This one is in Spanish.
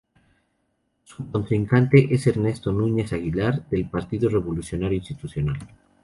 Su contrincante es Ernesto Nuñez Aguilar, del Partido Revolucionario Institucional.